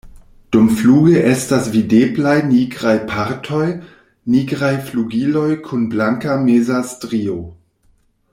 Dumfluge estas videblaj nigraj partoj, nigraj flugiloj kun blanka meza strio.